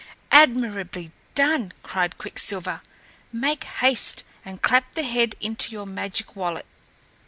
"Admirably done!" cried Quicksilver. "Make haste and clap the head into your magic wallet."